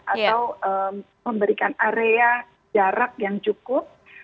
atau memberikan area jarak yang cukup